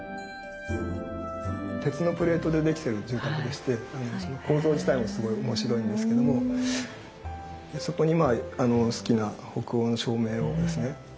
鉄のプレートでできてる住宅でして構造自体もすごい面白いんですけどもそこに好きな北欧の照明をですね。